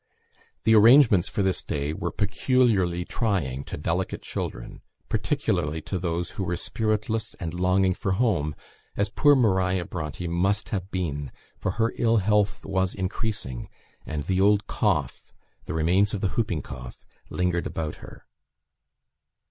The arrangements for this day were peculiarly trying to delicate children, particularly to those who were spiritless and longing for home, as poor Maria Bronte must have been; for her ill health was increasing, and the old cough, the remains of the hooping cough, lingered about her.